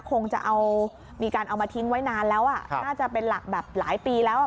คงจะเอามีการเอามาทิ้งไว้นานแล้วอ่ะน่าจะเป็นหลักแบบหลายปีแล้วอ่ะ